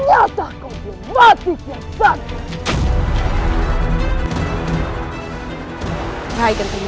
siapa lagi yang melakukan itu semua